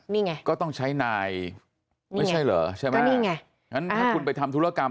นี่ไงก็ต้องใช้นายไม่ใช่เหรอใช่ไหมนี่ไงงั้นถ้าคุณไปทำธุรกรรม